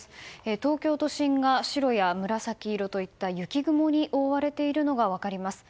東京都心が白や紫色といった雪雲に覆われているのが分かります。